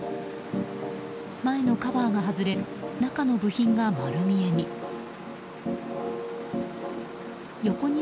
前のカバーが外れ中の部品が丸見えに。